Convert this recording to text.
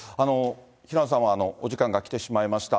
平野さんはお時間が来てしまいました。